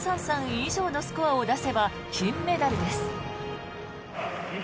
以上のスコアを出せば金メダルです。